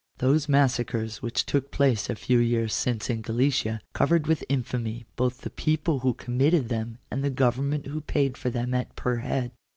Those massacres which took place a few years since in Gallicia covered with infamy both the people who committed them and the government who paid for them at per head.